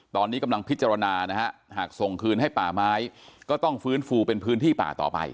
ตอนนี้กำลังพิจารณานะฮะหากส่งคืนให้ป่าไม้ก็ต้องฟื้นฟูเป็นพื้นที่ป่าต่อไป